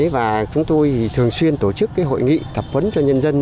và chúng tôi thường xuyên tổ chức hội nghị thập vấn cho nhân dân